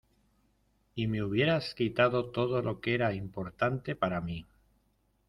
Y me hubieras quitado todo lo que era importante para mí